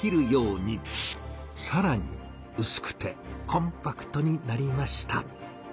さらにうすくてコンパクトになりました。